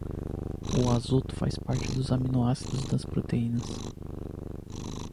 O azoto faz parte dos aminoácidos das proteínas.